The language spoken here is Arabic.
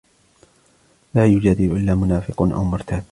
لَا يُجَادِلُ إلَّا مُنَافِقٌ أَوْ مُرْتَابٌ